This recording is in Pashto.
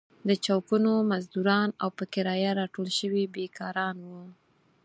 د چوکونو مزدوران او په کرايه راټول شوي بېکاران وو.